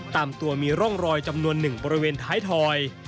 ตามตัวมีร่องรอยจำนวนหนึ่งบริเวณท้ายถอย